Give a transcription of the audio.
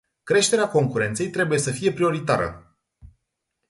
Creșterea concurenței trebuie să fie prioritară.